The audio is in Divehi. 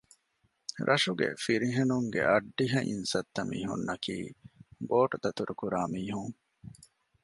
ރަށުގެ ފިރިހެނުންގެ އައްޑިހަ އިން ސައްތަ މީހުންނަކީ ބޯޓްދަތުރުކުރާ މީހުން